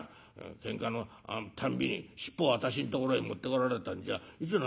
けんかのたんびに尻尾を私んところへ持ってこられたんじゃいくら